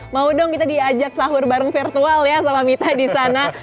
mau dong kita diajak sahur bareng virtual ya sama mita di sana